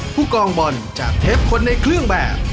ผู้กองบอลจากเทปคนในเครื่องแบบ